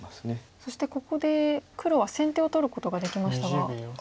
そしてここで黒は先手を取ることができましたが。